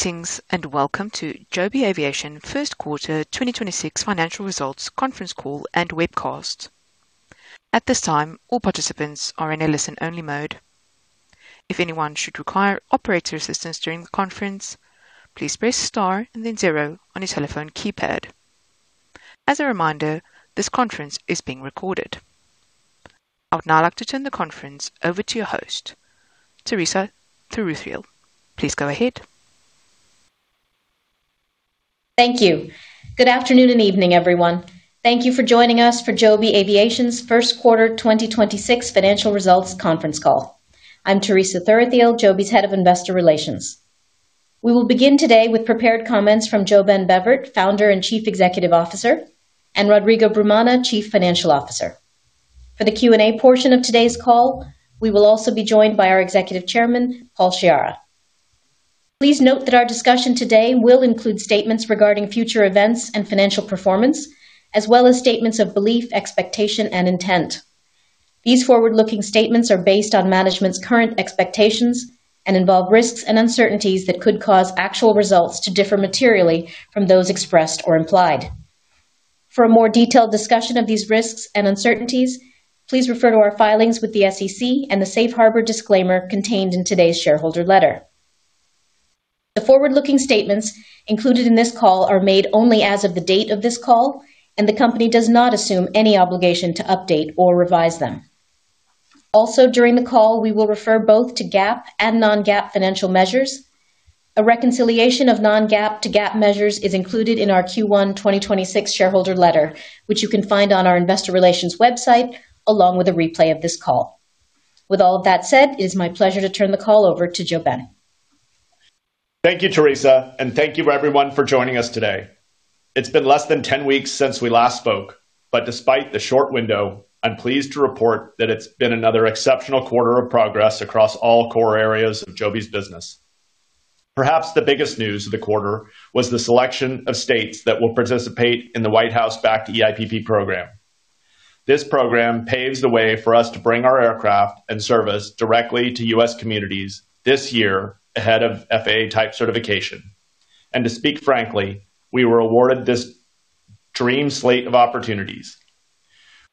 Greetings, and welcome to Joby Aviation First Quarter 2026 Financial Results Conference Call and Webcast. I would now like to turn the conference over to your host, Teresa Thuruthiyil. Please go ahead. Thank you. Good afternoon and evening, everyone. Thank you for joining us for Joby Aviation's First Quarter 2026 Financial Results Conference Call. I'm Teresa Thuruthiyil, Joby's Head of Investor Relations. We will begin today with prepared comments from JoeBen Bevirt, Founder and Chief Executive Officer, and Rodrigo Brumana, Chief Financial Officer. For the Q&A portion of today's call, we will also be joined by our Executive Chairman, Paul Sciarra. Please note that our discussion today will include statements regarding future events and financial performance, as well as statements of belief, expectation, and intent. These forward-looking statements are based on management's current expectations and involve risks and uncertainties that could cause actual results to differ materially from those expressed or implied. For a more detailed discussion of these risks and uncertainties, please refer to our filings with the SEC and the safe harbor disclaimer contained in today's shareholder letter. The forward-looking statements included in this call are made only as of the date of this call, and the company does not assume any obligation to update or revise them. Also, during the call, we will refer both to GAAP and non-GAAP financial measures. A reconciliation of non-GAAP to GAAP measures is included in our Q1 2026 shareholder letter, which you can find on our investor relations website along with a replay of this call. With all of that said, it is my pleasure to turn the call over to JoeBen. Thank you, Teresa. Thank you everyone for joining us today. It's been less than 10 weeks since we last spoke, but despite the short window, I'm pleased to report that it's been another exceptional quarter of progress across all core areas of Joby's business. Perhaps the biggest news of the quarter was the selection of states that will participate in the White House-backed eIPP program. This program paves the way for us to bring our aircraft and service directly to U.S. communities this year ahead of FAA type certification. To speak frankly, we were awarded this dream slate of opportunities.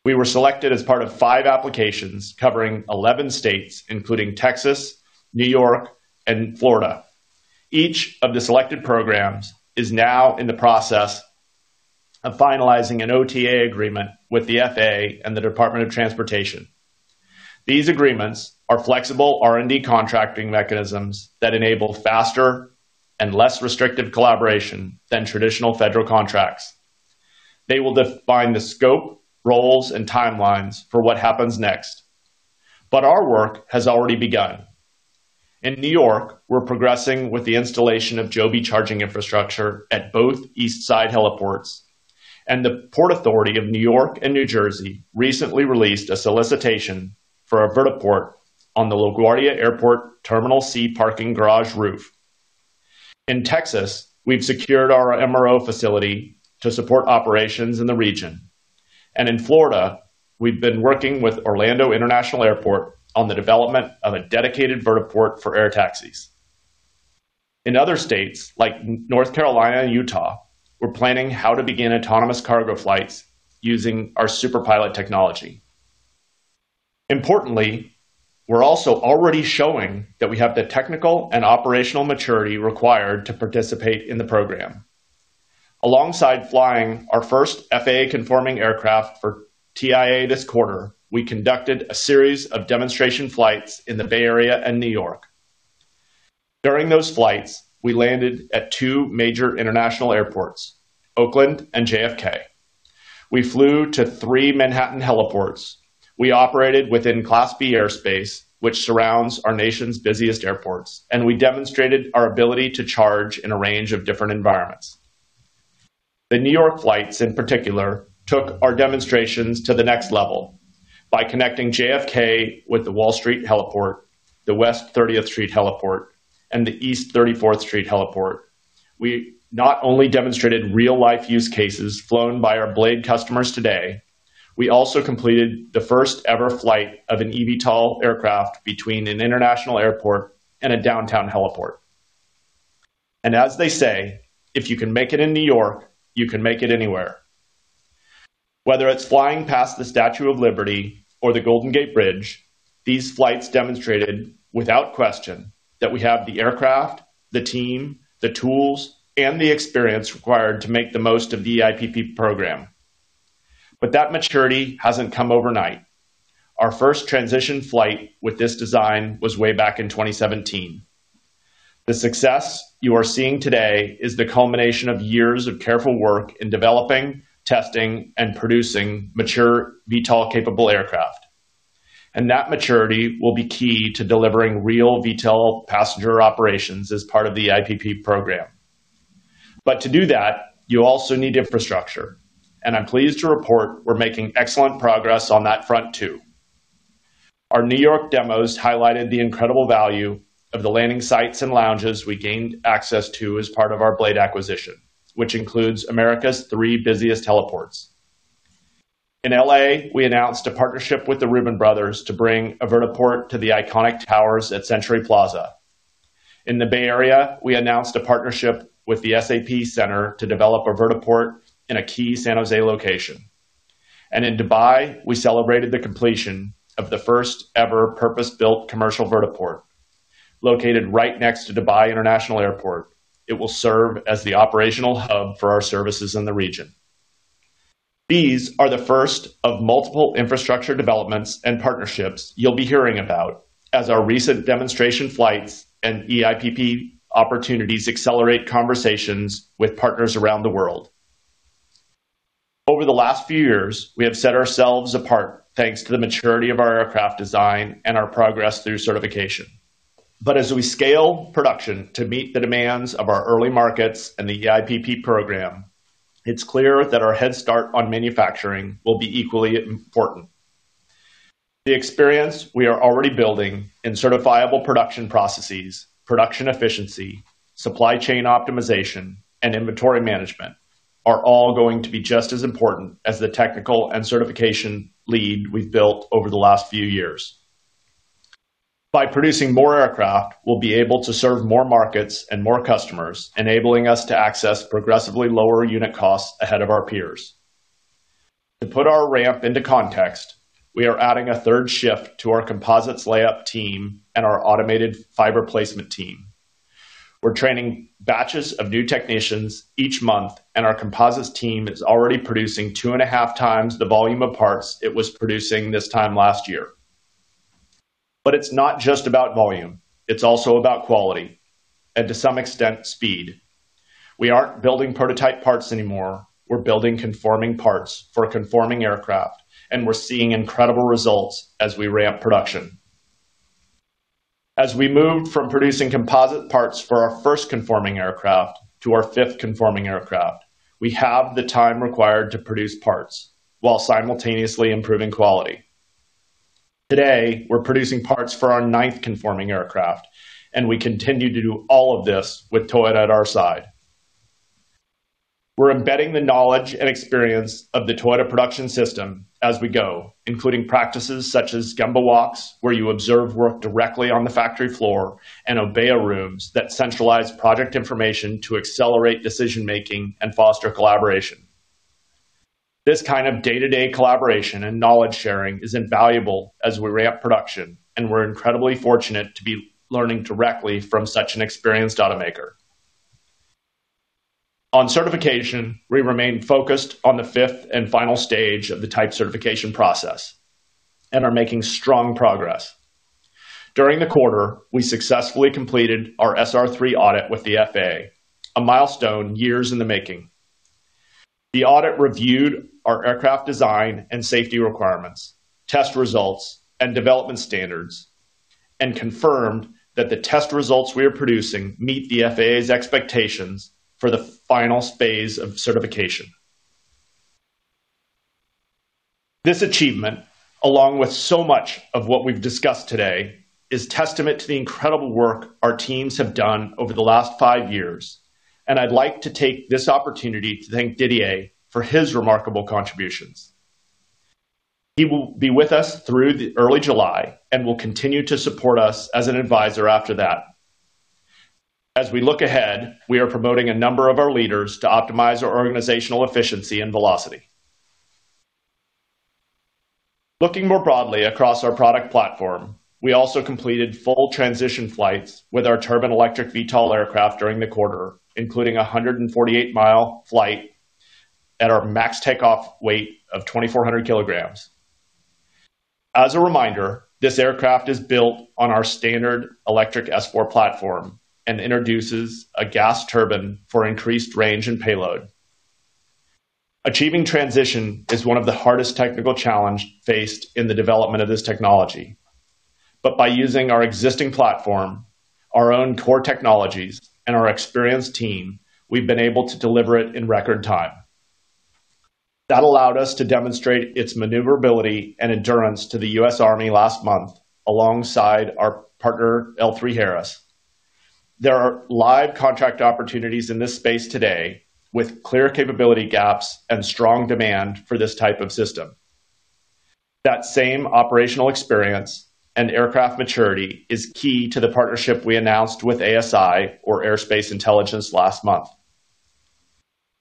We were selected as part of five applications covering 11 states, including Texas, New York, and Florida. Each of the selected programs is now in the process of finalizing an OTA agreement with the FAA and the Department of Transportation. These agreements are flexible R&D contracting mechanisms that enable faster and less restrictive collaboration than traditional federal contracts. They will define the scope, roles, and timelines for what happens next. Our work has already begun. In New York, we're progressing with the installation of Joby charging infrastructure at both East Side heliports, and the Port Authority of New York and New Jersey recently released a solicitation for a vertiport on the LaGuardia Airport Terminal C parking garage roof. In Texas, we've secured our MRO facility to support operations in the region. In Florida, we've been working with Orlando International Airport on the development of a dedicated vertiport for air taxis. In other states like North Carolina and Utah, we're planning how to begin autonomous cargo flights using our Superpilot technology. Importantly, we're also already showing that we have the technical and operational maturity required to participate in the program. Alongside flying our first FAA-conforming aircraft for TIA this quarter, we conducted a series of demonstration flights in the Bay Area and New York. During those flights, we landed at two major international airports, Oakland and JFK. We flew to three Manhattan heliports. We operated within Class B airspace, which surrounds our nation's busiest airports, and we demonstrated our ability to charge in a range of different environments. The New York flights, in particular, took our demonstrations to the next level by connecting JFK with the Wall Street Heliport, the West 30th Street Heliport, and the East 34th Street Heliport. We not only demonstrated real-life use cases flown by our Blade customers today, we also completed the first-ever flight of an eVTOL aircraft between an international airport and a downtown heliport. As they say, if you can make it in New York, you can make it anywhere. Whether it's flying past the Statue of Liberty or the Golden Gate Bridge, these flights demonstrated without question that we have the aircraft, the team, the tools, and the experience required to make the most of the eIPP program. That maturity hasn't come overnight. Our first transition flight with this design was way back in 2017. The success you are seeing today is the culmination of years of careful work in developing, testing, and producing mature VTOL-capable aircraft. That maturity will be key to delivering real VTOL passenger operations as part of the eIPP program. To do that, you also need infrastructure, and I'm pleased to report we're making excellent progress on that front too. Our New York demos highlighted the incredible value of the landing sites and lounges we gained access to as part of our Blade acquisition, which includes America's three busiest heliports. In L.A., we announced a partnership with the Reuben Brothers to bring a vertiport to the iconic towers at Century Plaza. In the Bay Area, we announced a partnership with the SAP Center to develop a vertiport in a key San Jose location. In Dubai, we celebrated the completion of the first-ever purpose-built commercial vertiport. Located right next to Dubai International Airport, it will serve as the operational hub for our services in the region. These are the first of multiple infrastructure developments and partnerships you'll be hearing about as our recent demonstration flights and eIPP opportunities accelerate conversations with partners around the world. Over the last few years, we have set ourselves apart thanks to the maturity of our aircraft design and our progress through certification. As we scale production to meet the demands of our early markets and the eIPP program, it's clear that our head start on manufacturing will be equally important. The experience we are already building in certifiable production processes, production efficiency, supply chain optimization, and inventory management are all going to be just as important as the technical and certification lead we've built over the last few years. By producing more aircraft, we'll be able to serve more markets and more customers, enabling us to access progressively lower unit costs ahead of our peers. To put our ramp into context, we are adding a third shift to our composites layup team and our automated fiber placement team. We're training batches of new technicians each month, and our composites team is already producing 2.5x the volume of parts it was producing this time last year. It's not just about volume, it's also about quality and to some extent, speed. We aren't building prototype parts anymore. We're building conforming parts for conforming aircraft, and we're seeing incredible results as we ramp production. As we move from producing composite parts for our first conforming aircraft to our fifth conforming aircraft, we have the time required to produce parts while simultaneously improving quality. Today, we're producing parts for our ninth conforming aircraft, and we continue to do all of this with Toyota at our side. We're embedding the knowledge and experience of the Toyota Production System as we go, including practices such as Gemba walks, where you observe work directly on the factory floor, and Obeya rooms that centralize project information to accelerate decision-making and foster collaboration. This kind of day-to-day collaboration and knowledge sharing is invaluable as we ramp production, and we're incredibly fortunate to be learning directly from such an experienced automaker. On certification, we remain focused on the fifth and final stage of the type certification process and are making strong progress. During the quarter, we successfully completed our SR3 audit with the FAA, a milestone years in the making. The audit reviewed our aircraft design and safety requirements, test results, and development standards, and confirmed that the test results we are producing meet the FAA's expectations for the final phase of certification. This achievement, along with so much of what we've discussed today, is testament to the incredible work our teams have done over the last five years, and I'd like to take this opportunity to thank Didier for his remarkable contributions. He will be with us through early July and will continue to support us as an advisor after that. As we look ahead, we are promoting a number of our leaders to optimize our organizational efficiency and velocity. Looking more broadly across our product platform, we also completed full transition flights with our turbine-electric VTOL aircraft during the quarter, including a 148 mi flight at our max takeoff weight of 2,400 kg. As a reminder, this aircraft is built on our standard electric S4 platform and introduces a gas turbine for increased range and payload. Achieving transition is one of the hardest technical challenge faced in the development of this technology. By using our existing platform, our own core technologies, and our experienced team, we've been able to deliver it in record time. That allowed us to demonstrate its maneuverability and endurance to the U.S. Army last month alongside our partner, L3Harris. There are live contract opportunities in this space today with clear capability gaps and strong demand for this type of system. That same operational experience and aircraft maturity is key to the partnership we announced with ASI, or Airspace Intelligence, last month.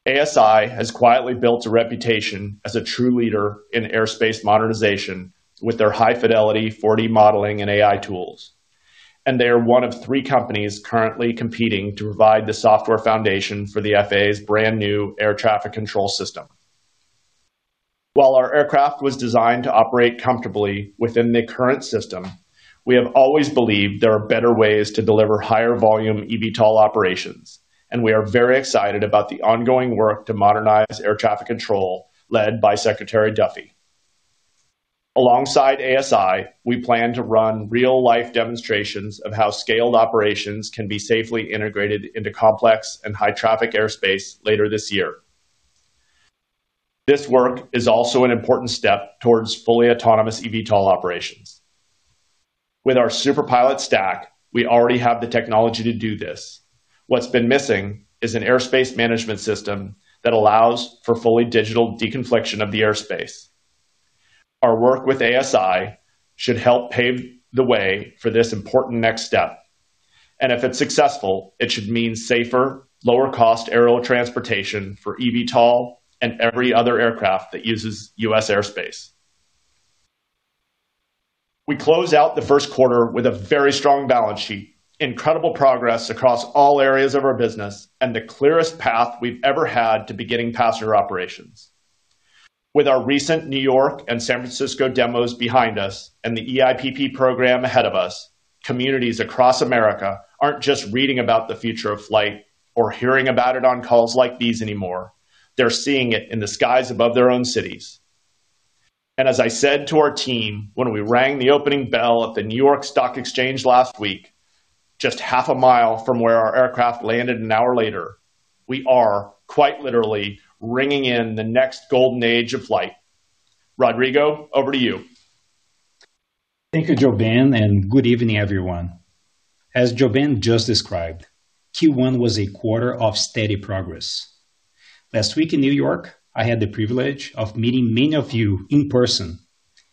ASI has quietly built a reputation as a true leader in airspace modernization with their high-fidelity, 4D modeling and AI tools, and they are one of three companies currently competing to provide the software foundation for the FAA's brand-new air traffic control system. While our aircraft was designed to operate comfortably within the current system, we have always believed there are better ways to deliver higher volume eVTOL operations, and we are very excited about the ongoing work to modernize air traffic control led by Secretary Duffy. Alongside ASI, we plan to run real-life demonstrations of how scaled operations can be safely integrated into complex and high-traffic airspace later this year. This work is also an important step towards fully autonomous eVTOL operations. With our Superpilot stack, we already have the technology to do this. What's been missing is an airspace management system that allows for fully digital deconfliction of the airspace. Our work with ASI should help pave the way for this important next step, and if it's successful, it should mean safer, lower cost aerial transportation for eVTOL and every other aircraft that uses U.S. airspace. We close out the first quarter with a very strong balance sheet, incredible progress across all areas of our business, and the clearest path we've ever had to beginning passenger operations. With our recent New York and San Francisco demos behind us and the eIPP program ahead of us, communities across America aren't just reading about the future of flight or hearing about it on calls like these anymore. They're seeing it in the skies above their own cities. As I said to our team when we rang the opening bell at the New York Stock Exchange last week, just half a mile from where our aircraft landed one hour later, we are quite literally ringing in the next golden age of flight. Rodrigo, over to you. Thank you, JoeBen, good evening, everyone. As JoeBen just described, Q1 was a quarter of steady progress. Last week in New York, I had the privilege of meeting many of you in person,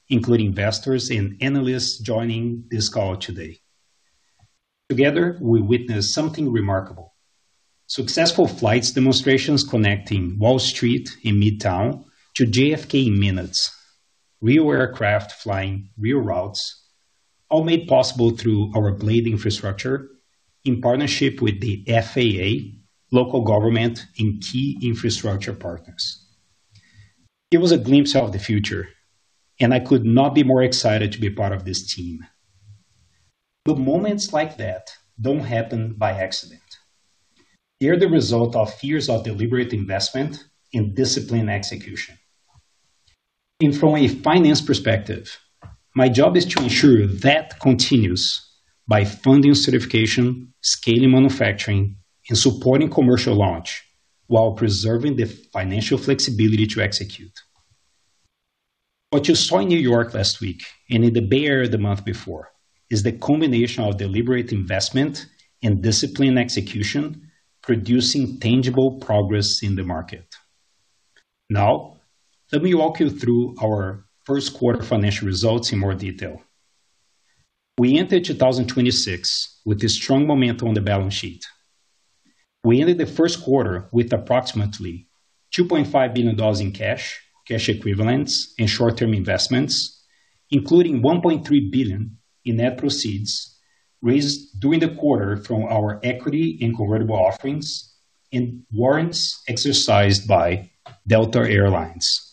including investors and analysts joining this call today. Together, we witnessed something remarkable. Successful flights demonstrations connecting Wall Street in Midtown to JFK in minutes. Real aircraft flying real routes, all made possible through our Blade infrastructure in partnership with the FAA, local government, and key infrastructure partners. It was a glimpse of the future, I could not be more excited to be part of this team. Moments like that don't happen by accident. They're the result of years of deliberate investment and disciplined execution. From a finance perspective, my job is to ensure that continues by funding certification, scaling manufacturing, and supporting commercial launch while preserving the financial flexibility to execute. What you saw in New York last week and in the Bay Area the month before is the culmination of deliberate investment and disciplined execution, producing tangible progress in the market. Let me walk you through our first quarter financial results in more detail. We entered 2026 with a strong momentum on the balance sheet. We ended the first quarter with approximately $2.5 billion in cash equivalents, and short-term investments, including $1.3 billion in net proceeds raised during the quarter from our equity and convertible offerings and warrants exercised by Delta Air Lines.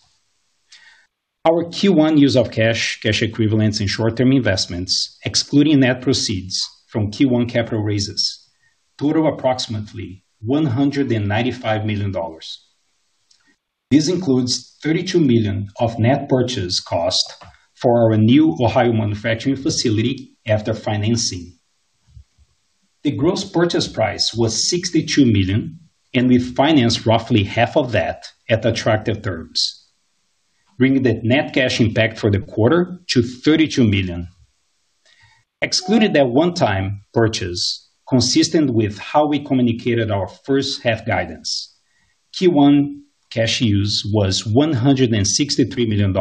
Our Q1 use of cash equivalents, and short-term investments, excluding net proceeds from Q1 capital raises, total approximately $195 million. This includes $32 million of net purchase cost for our new Ohio manufacturing facility after financing. The gross purchase price was $62 million. We financed roughly half of that at attractive terms, bringing the net cash impact for the quarter to $32 million. Excluded that one-time purchase consistent with how we communicated our first half guidance. Q1 cash use was $163 million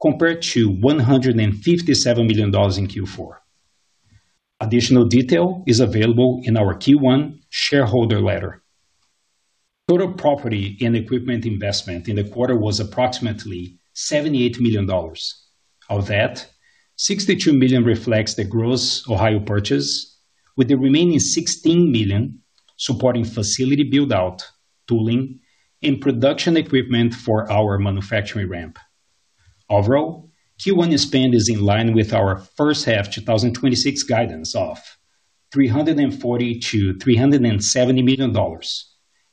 compared to $157 million in Q4. Additional detail is available in our Q1 shareholder letter. Total property and equipment investment in the quarter was approximately $78 million. Of that, $62 million reflects the gross Ohio purchase, with the remaining $16 million supporting facility build-out, tooling, and production equipment for our manufacturing ramp. Overall, Q1 spend is in line with our first half 2026 guidance of $340 million-$370 million,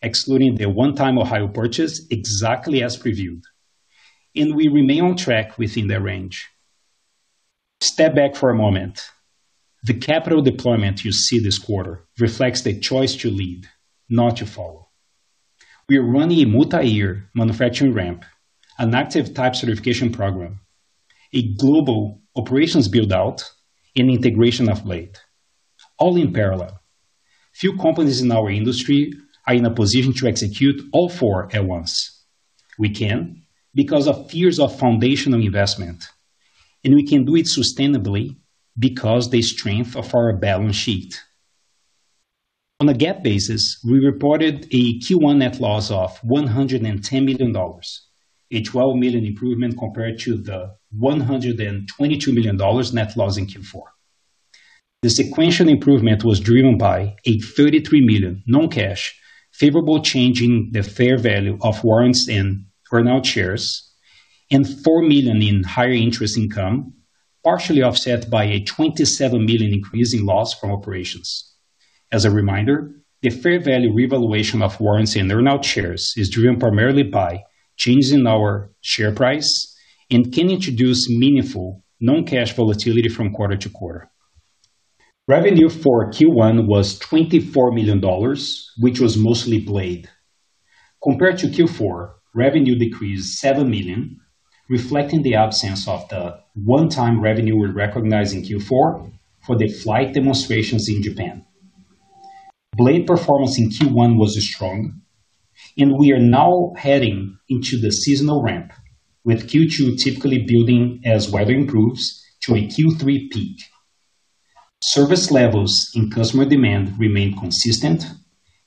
excluding the one-time Ohio purchase exactly as previewed. We remain on track within that range. Step back for a moment. The capital deployment you see this quarter reflects the choice to lead, not to follow. We are running a multi-year manufacturing ramp, an active type certification program, a global operations build-out, and integration of Blade, all in parallel. Few companies in our industry are in a position to execute all four at once. We can because of years of foundational investment. We can do it sustainably because the strength of our balance sheet. On a GAAP basis, we reported a Q1 net loss of $110 million, a $12 million improvement compared to the $122 million net loss in Q4. The sequential improvement was driven by a $33 million non-cash favorable change in the fair value of warrants and earnout shares, $4 million in higher interest income, partially offset by a $27 million increase in loss from operations. As a reminder, the fair value revaluation of warrants and earnout shares is driven primarily by changes in our share price and can introduce meaningful non-cash volatility from quarter to quarter. Revenue for Q1 was $24 million, which was mostly Blade. Compared to Q4, revenue decreased $7 million, reflecting the absence of the one-time revenue we recognized in Q4 for the flight demonstrations in Japan. Blade performance in Q1 was strong, and we are now heading into the seasonal ramp, with Q2 typically building as weather improves to a Q3 peak. Service levels and customer demand remain consistent,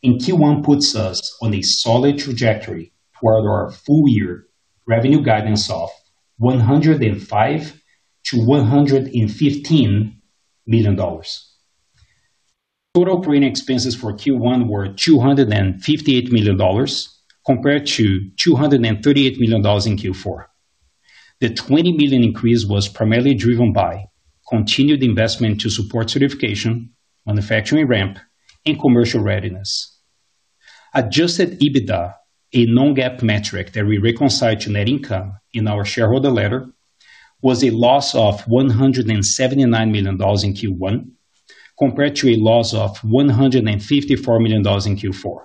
and Q1 puts us on a solid trajectory toward our full-year revenue guidance of $105 million-$115 million. Total operating expenses for Q1 were $258 million compared to $238 million in Q4. The $20 million increase was primarily driven by continued investment to support certification, manufacturing ramp, and commercial readiness. Adjusted EBITDA, a non-GAAP metric that we reconcile to net income in our shareholder letter, was a loss of $179 million in Q1 compared to a loss of $154 million in Q4.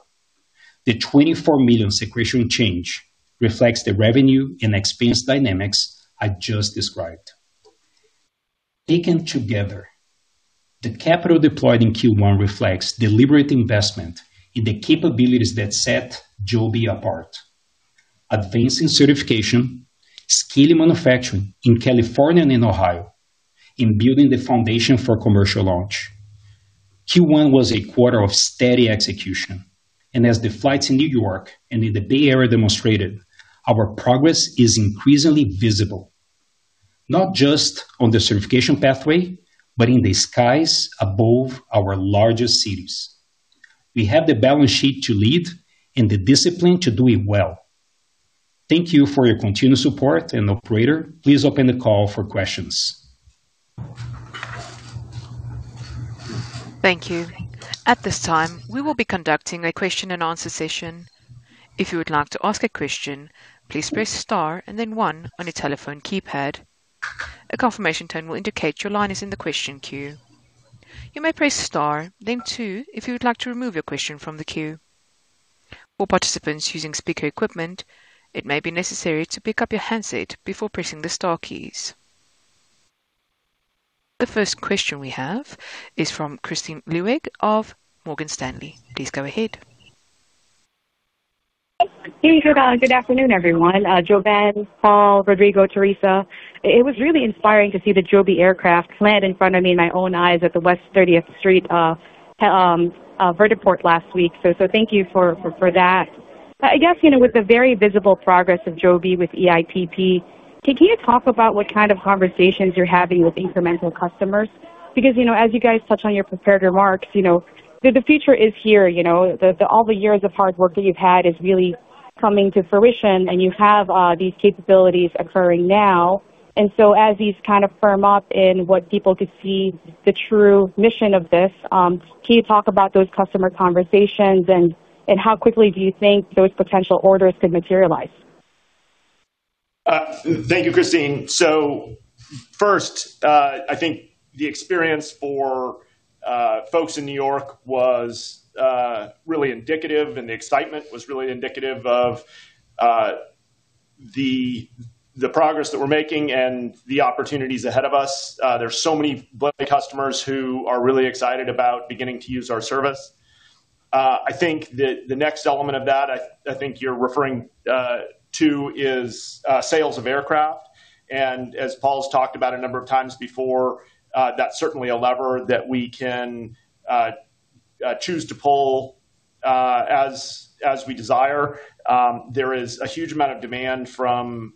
The $24 million sequential change reflects the revenue and expense dynamics I just described. Taken together, the capital deployed in Q1 reflects deliberate investment in the capabilities that set Joby apart. Advancing certification, scaling manufacturing in California and Ohio, and building the foundation for commercial launch. Q1 was a quarter of steady execution, and as the flights in New York and in the Bay Area demonstrated, our progress is increasingly visible, not just on the certification pathway, but in the skies above our largest cities. We have the balance sheet to lead and the discipline to do it well. Thank you for your continued support. Operator, please open the call for questions. Thank you. At this time, we will be conducting a question-and-answer session. If you would like to ask a question, please press star and then one on your telephone keypad. A confirmation tone will indicate your line is in the question queue. You may press star then two if you would like to remove your question from the queue. For participants using speaker equipment, it may be necessary to pick up your handset before pressing the star keys. The first question we have is from Kristine Liwag of Morgan Stanley. Please go ahead. Thank you. Good afternoon, everyone. JoeBen, Paul, Rodrigo, Teresa. It was really inspiring to see the Joby aircraft land in front of me in my own eyes at the West 30th Street vertiport last week. Thank you for that. I guess, you know, with the very visible progress of Joby with eIPP, can you talk about what kind of conversations you're having with incremental customers? Because, you know, as you guys touched on your prepared remarks, you know, the future is here, you know. All the years of hard work that you've had is really coming to fruition, and you have these capabilities occurring now. As these kind of firm up and what people could see the true mission of this, can you talk about those customer conversations and how quickly do you think those potential orders could materialize? Thank you, Kristine. First, I think the experience for folks in New York was really indicative, and the excitement was really indicative of the progress that we're making and the opportunities ahead of us. There's so many Blade customers who are really excited about beginning to use our service. I think that the next element of that you're referring to is sales of aircraft. As Paul's talked about a number of times before, that's certainly a lever that we can choose to pull as we desire. There is a huge amount of demand from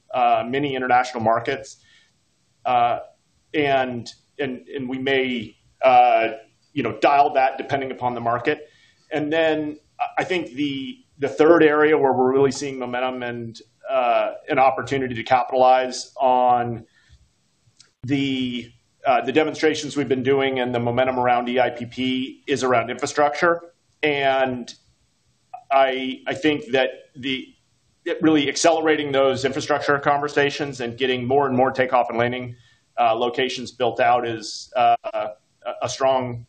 many international markets. We may, you know, dial that depending upon the market. I think the third area where we're really seeing momentum and an opportunity to capitalize on the demonstrations we've been doing and the momentum around eIPP is around infrastructure. I think that really accelerating those infrastructure conversations and getting more and more takeoff and landing locations built out is a strong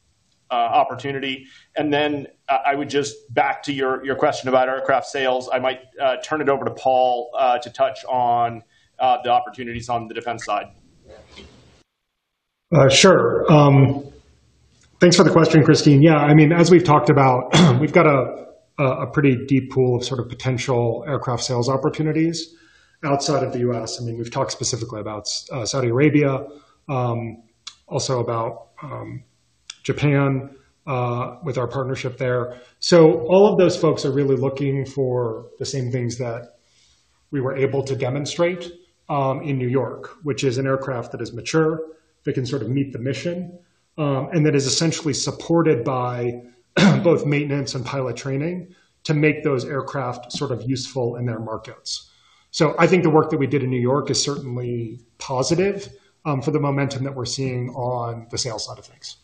opportunity. I would just back to your question about aircraft sales. I might turn it over to Paul to touch on the opportunities on the defense side. Sure. Thanks for the question, Kristine. I mean, as we've talked about, we've got a pretty deep pool of sort of potential aircraft sales opportunities outside of the U.S. I mean, we've talked specifically about Saudi Arabia, also about Japan, with our partnership there. All of those folks are really looking for the same things that we were able to demonstrate in New York, which is an aircraft that is mature, that can sort of meet the mission, and that is essentially supported by both maintenance and pilot training to make those aircraft sort of useful in their markets. I think the work that we did in New York is certainly positive for the momentum that we're seeing on the sales side of things.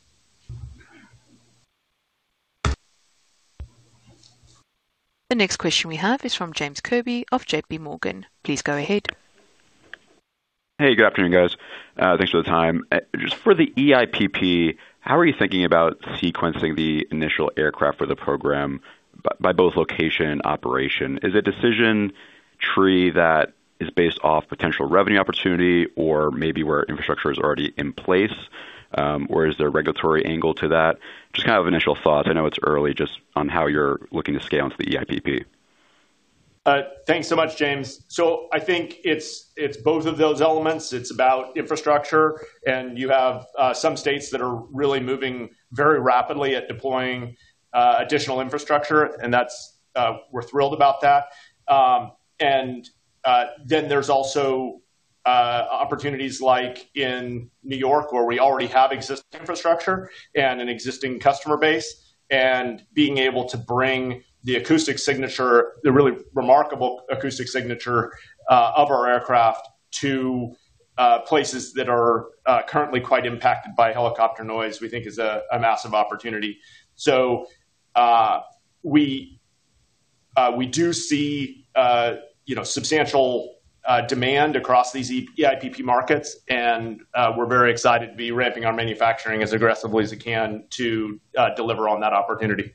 The next question we have is from James Kirby of JPMorgan. Please go ahead. Hey, good afternoon, guys. Thanks for the time. Just for the eIPP, how are you thinking about sequencing the initial aircraft for the program by both location and operation? Is it decision tree that is based off potential revenue opportunity or maybe where infrastructure is already in place? Is there a regulatory angle to that? Just kind of initial thoughts. I know it's early just on how you're looking to scale into the eIPP. Thanks so much, James. I think it's both of those elements. It's about infrastructure, you have some states that are really moving very rapidly at deploying additional infrastructure, and that's we're thrilled about that. There's also opportunities like in New York, where we already have existing infrastructure and an existing customer base, and being able to bring the acoustic signature, the really remarkable acoustic signature of our aircraft to places that are currently quite impacted by helicopter noise, we think is a massive opportunity. We do see, you know, substantial demand across these eIPP markets and we're very excited to be ramping our manufacturing as aggressively as we can to deliver on that opportunity.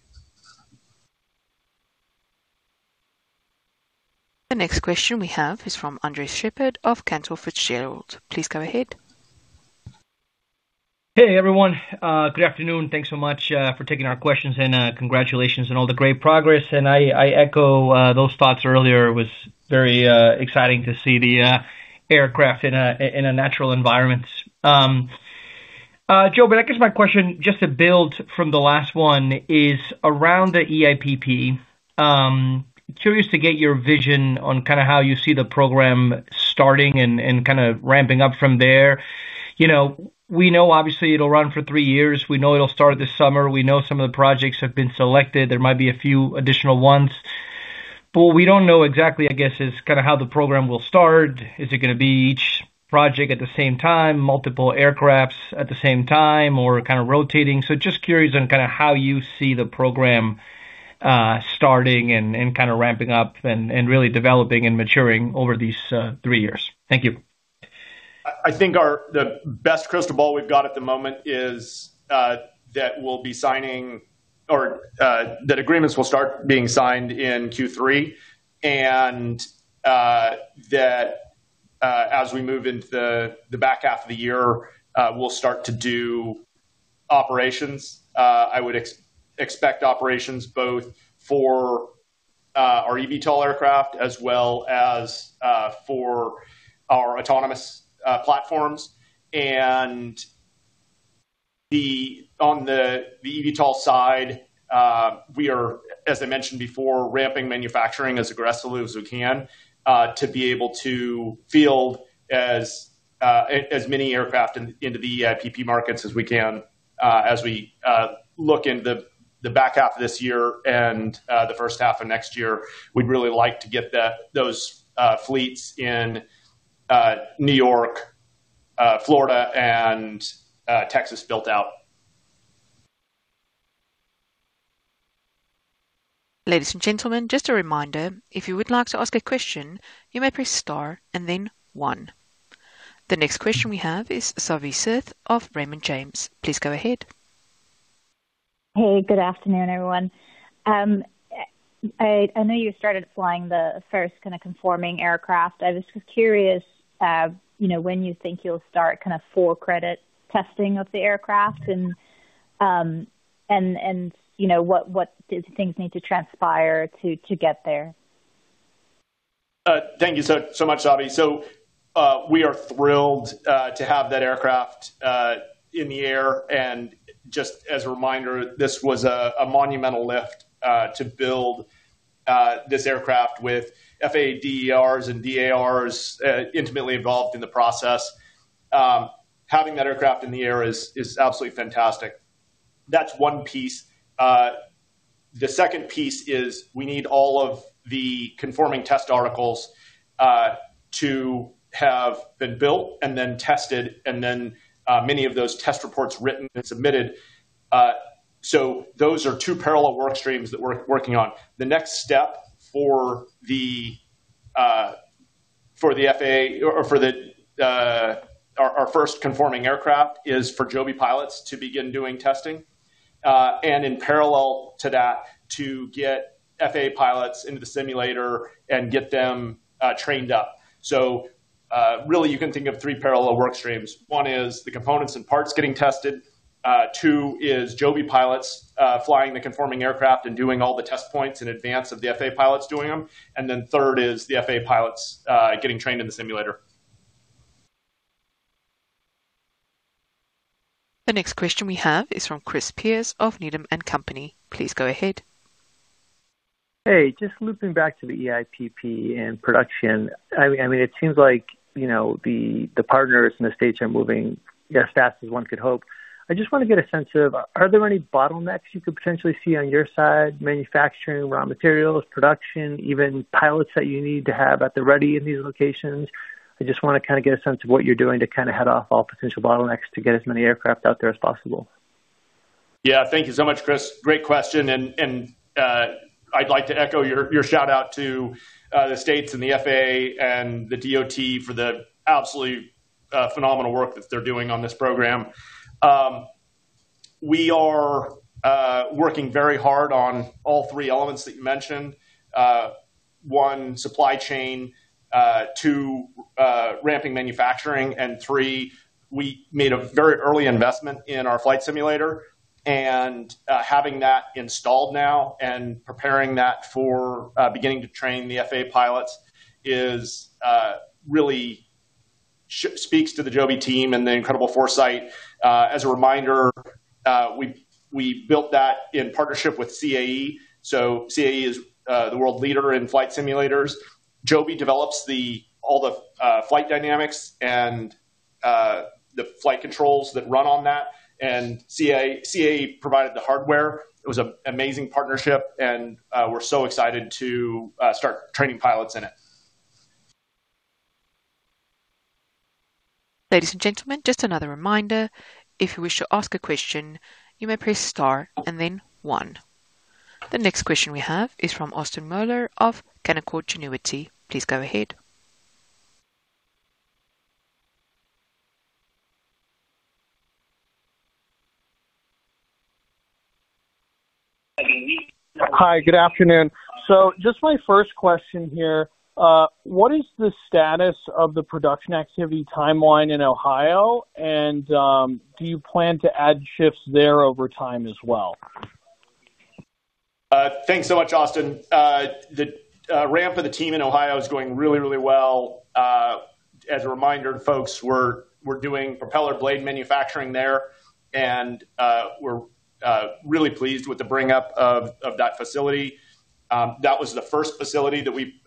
The next question we have is from Andres Sheppard of Cantor Fitzgerald. Please go ahead. Hey, everyone. Good afternoon. Thanks so much for taking our questions and congratulations on all the great progress. I echo those thoughts earlier. It was very exciting to see the aircraft in a natural environment. Joe, I guess my question, just to build from the last one, is around the eIPP. Curious to get your vision on kind of how you see the program starting and kind of ramping up from there. You know, we know obviously it'll run for three years. We know it'll start this summer. We know some of the projects have been selected. There might be a few additional ones, we don't know exactly, I guess, is kind of how the program will start. Is it gonna be each project at the same time, multiple aircraft at the same time, or kind of rotating? Just curious on kind of how you see the program starting and kind of ramping up and really developing and maturing over these three years. Thank you. I think our best crystal ball we've got at the moment is that we'll be signing or that agreements will start being signed in Q3 and that as we move into the back half of the year, we'll start to do operations. I would expect operations both for our eVTOL aircraft as well as for our autonomous platforms. On the eVTOL side, we are, as I mentioned before, ramping manufacturing as aggressively as we can to be able to field as many aircraft into the eIPP markets as we can. As we look into the back half of this year and the first half of next year, we'd really like to get those fleets in New York, Florida, and Texas built out. Ladies and gentlemen, just a reminder, if you would like to ask a question, you may press star and then one. The next question we have is Savi Syth of Raymond James. Please go ahead. Hey, good afternoon, everyone. I know you started flying the first kind of conforming aircraft. I was just curious, you know, when you think you'll start kind of full credit testing of the aircraft and you know, what do things need to transpire to get there? Thank you so much, Savi. We are thrilled to have that aircraft in the air. Just as a reminder, this was a monumental lift to build this aircraft with FAA DARs and DARs intimately involved in the process. Having that aircraft in the air is absolutely fantastic. That's one piece. The second piece is we need all of the conforming test articles to have been built and then tested and then many of those test reports written and submitted. Those are two parallel work streams that we're working on. The next step for the FAA or for our first conforming aircraft is for Joby pilots to begin doing testing. In parallel to that, to get FAA pilots into the simulator and get them trained up. Really you can think of three parallel work streams. One is the components and parts getting tested. Two is Joby pilots flying the conforming aircraft and doing all the test points in advance of the FAA pilots doing them. Third is the FAA pilots getting trained in the simulator. The next question we have is from Chris Pierce of Needham & Company. Please go ahead. Hey, just looping back to the eIPP and production. I mean, it seems like, you know, the partners in the states are moving as fast as one could hope. I just want to get a sense of, are there any bottlenecks you could potentially see on your side, manufacturing, raw materials, production, even pilots that you need to have at the ready in these locations? I just wanna kind of get a sense of what you're doing to kind of head off all potential bottlenecks to get as many aircraft out there as possible. Thank you so much, Chris. Great question. I'd like to echo your shout-out to the states and the FAA and the DOT for the absolutely phenomenal work that they're doing on this program. We are working very hard on all three elements that you mentioned. One, supply chain, two, ramping manufacturing, three, we made a very early investment in our flight simulator. Having that installed now and preparing that for beginning to train the FAA pilots is really speaks to the Joby team and the incredible foresight. As a reminder, we built that in partnership with CAE. CAE is the world leader in flight simulators. Joby develops all the flight dynamics and the flight controls that run on that, CAE provided the hardware. It was an amazing partnership, and we're so excited to start training pilots in it. Ladies and gentlemen, just another reminder, if you wish to ask a question, you may press star and then one. The next question we have is from Austin Moeller of Canaccord Genuity. Please go ahead. Hi, good afternoon. Just my first question here. What is the status of the production activity timeline in Ohio? Do you plan to add shifts there over time as well? Thanks so much, Austin. The ramp of the team in Ohio is going really, really well. As a reminder to folks, we're doing propeller blade manufacturing there, and we're really pleased with the bring up of that facility. That was the first facility that we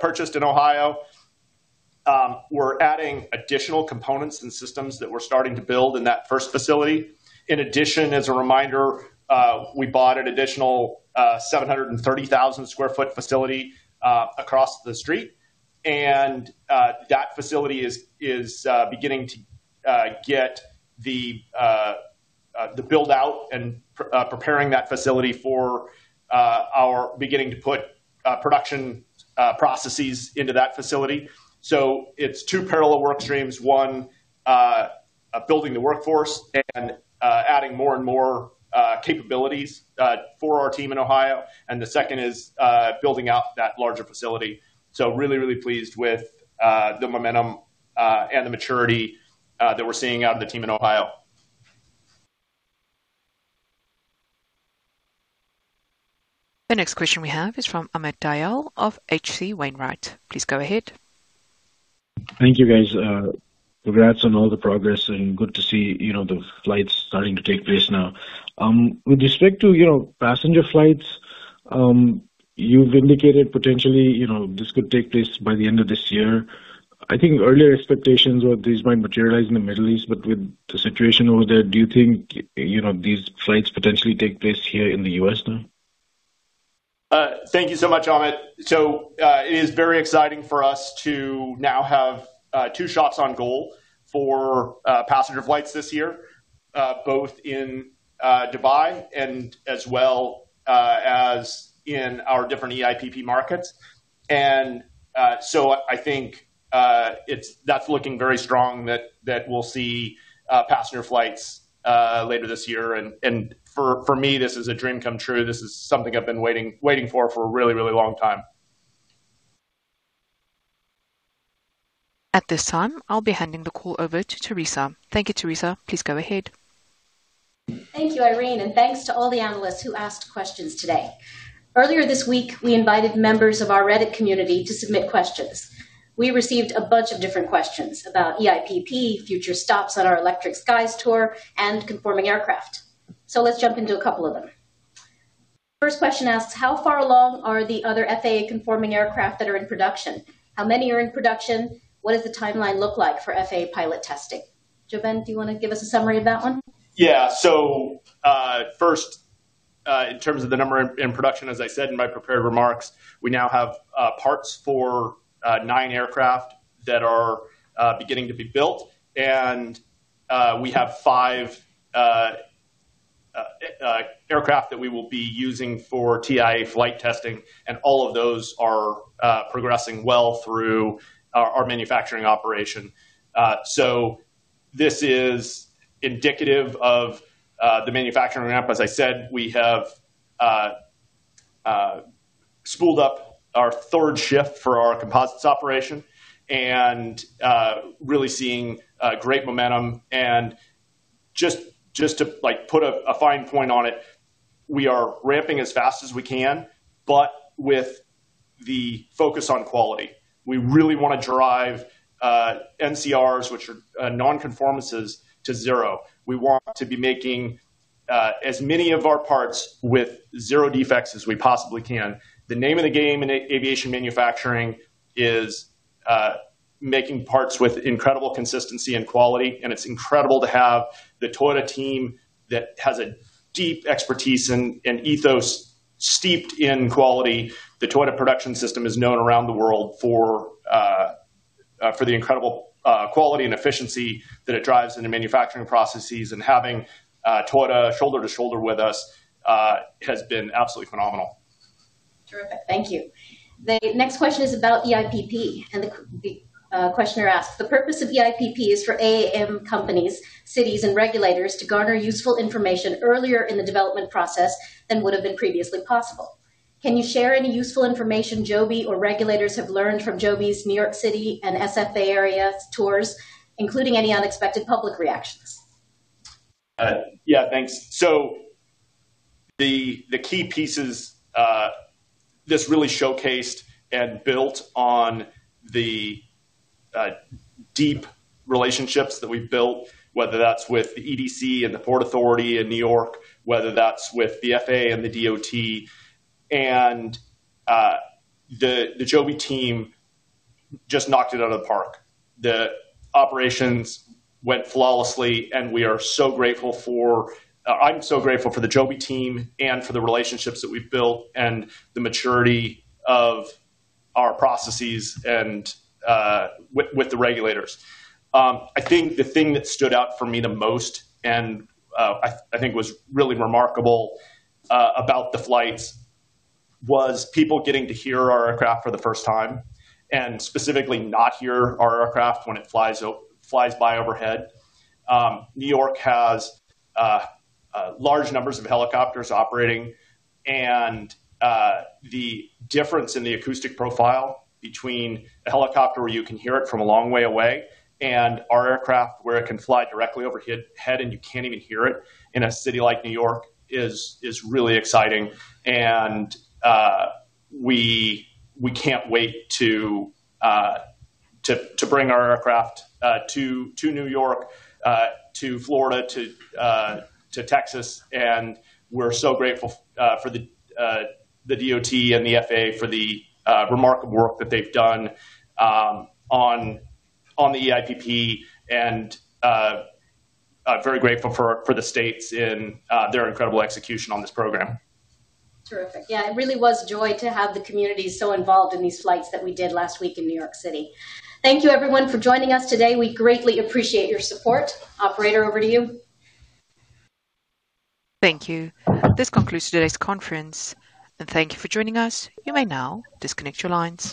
purchased in Ohio. We're adding additional components and systems that we're starting to build in that first facility. In addition, as a reminder, we bought an additional 730,000 sq ft facility across the street. That facility is beginning to get the build-out and preparing that facility for our beginning to put production processes into that facility. It's two parallel work streams. One, building the workforce and adding more and more capabilities for our team in Ohio. The second is building out that larger facility. Really pleased with the momentum and the maturity that we're seeing out of the team in Ohio. The next question we have is from Amit Dayal of H.C. Wainwright. Please go ahead. Thank you, guys. Congrats on all the progress and good to see, you know, the flights starting to take place now. With respect to, you know, passenger flights, you've indicated potentially, you know, this could take place by the end of this year. I think earlier expectations were these might materialize in the Middle East, but with the situation over there, do you think, you know, these flights potentially take place here in the U.S. now? Thank you so much, Amit. It is very exciting for us to now have two shots on goal for passenger flights this year, both in Dubai and as well as in our different eIPP markets. I think that's looking very strong that we'll see passenger flights later this year. For me, this is a dream come true. This is something I've been waiting for for a really, really long time. At this time, I'll be handing the call over to Teresa. Thank you, Teresa. Please go ahead. Thank you, Irene, and thanks to all the analysts who asked questions today. Earlier this week, we invited members of our Reddit community to submit questions. We received a bunch of different questions about eIPP, future stops on our Electric Skies Tour, and conforming aircraft. Let's jump into a couple of them. First question asks, how far along are the other FAA-conforming aircraft that are in production? How many are in production? What does the timeline look like for FAA pilot testing? JoeBen, do you want to give us a summary of that one? First, in terms of the number in production, as I said in my prepared remarks, we now have parts for nine aircraft that are beginning to be built. We have five aircraft that we will be using for TIA flight testing, and all of those are progressing well through our manufacturing operation. This is indicative of the manufacturing ramp. As I said, we have spooled up our third shift for our composites operation and really seeing great momentum. Just to like put a fine point on it, we are ramping as fast as we can, but with the focus on quality. We really wanna drive NCRs, which are non-conformances, to zero. We want to be making as many of our parts with zero defects as we possibly can. The name of the game in aviation manufacturing is making parts with incredible consistency and quality, and it's incredible to have the Toyota team that has a deep expertise and ethos steeped in quality. The Toyota Production System is known around the world for the incredible quality and efficiency that it drives into manufacturing processes and having Toyota shoulder to shoulder with us has been absolutely phenomenal. Terrific. Thank you. The next question is about eIPP. The questioner asked, the purpose of eIPP is for AAM companies, cities, and regulators to garner useful information earlier in the development process than would have been previously possible. Can you share any useful information Joby or regulators have learned from Joby's New York City and SF area tours, including any unexpected public reactions? Thanks. The key pieces, this really showcased and built on the deep relationships that we've built, whether that's with the EDC and the Port Authority in New York, whether that's with the FAA and the DOT. The Joby team just knocked it out of the park. The operations went flawlessly, and we are so grateful for I'm so grateful for the Joby team and for the relationships that we've built and the maturity of our processes and with the regulators. I think the thing that stood out for me the most and I think was really remarkable about the flights was people getting to hear our aircraft for the first time and specifically not hear our aircraft when it flies by overhead. New York has large numbers of helicopters operating and the difference in the acoustic profile between a helicopter where you can hear it from a long way away and our aircraft where it can fly directly overhead and you can't even hear it in a city like New York is really exciting. We can't wait to bring our aircraft to New York, to Florida, to Texas. We're so grateful for the DOT and the FAA for the remarkable work that they've done on the eIPP and very grateful for the states in their incredible execution on this program. Terrific. Yeah, it really was a joy to have the community so involved in these flights that we did last week in New York City. Thank you, everyone, for joining us today. We greatly appreciate your support. Operator, over to you. Thank you. This concludes today's conference, and thank you for joining us. You may now disconnect your lines.